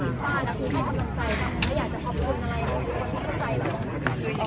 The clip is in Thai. อ่าสะดวกสาธารณะสุขแต่ไม่ใช่ได้อยู่อยู่